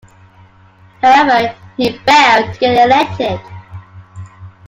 However he failed to get elected.